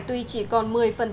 tuy chỉ còn một mươi